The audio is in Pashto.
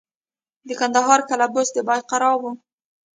د کندهار قلعه بست د بایقرا وه